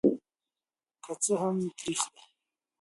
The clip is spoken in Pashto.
که څه هم تریخ وي.